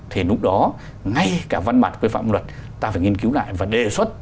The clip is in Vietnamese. thì lúc đó ngay cả văn bản quy phạm luật ta phải nghiên cứu lại và đề xuất